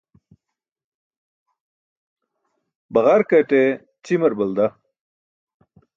Baġarkate ćimar balda.